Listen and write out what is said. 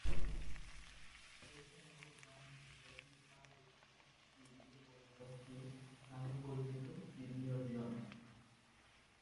এছাড়াও, বামহাতে ব্যাটিংয়ে পারদর্শী ছিলেন সিডনি ও’লিনস্কি নামে পরিচিত সিড ও’লিন।